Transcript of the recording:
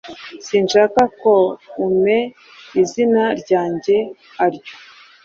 Sinshaka ko umea izina ryanjye aryo.